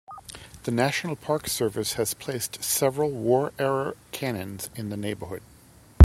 The National Park Service has placed several war-era cannons in the neighborhood.